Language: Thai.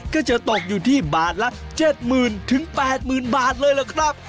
ก็จะตกอยู่ที่บาทละ๗๐๐๐๘๐๐๐บาทเลยล่ะครับ